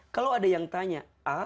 kalau ada yang tanya